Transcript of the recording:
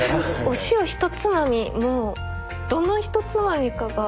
お塩一つまみもどの一つまみかが。